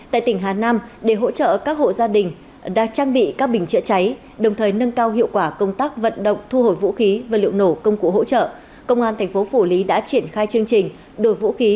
tại tỉnh hà nam để hỗ trợ các hộ gia đình đã trang bị các bình chữa cháy đồng thời nâng cao hiệu quả công tác vận động thu hồi vũ khí và liệu nổ công cụ hỗ trợ công an tp phủ lý đã triển khai chương trình